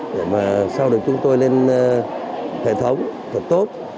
để mà sau được chúng tôi lên hệ thống thật tốt